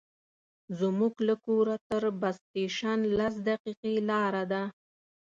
زموږ له کوره تر بس سټېشن لس دقیقې لاره ده.